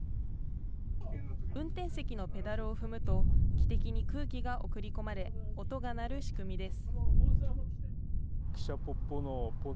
運転席のペダルを踏むと、汽笛に空気が送り込まれ、音が鳴る仕組みです。